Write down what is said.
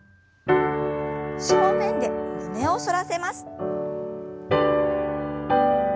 正面で胸を反らせます。